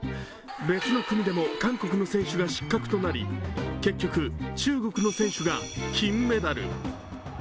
別の組でも韓国の選手が失格となり、結局、中国の選手が金メダル。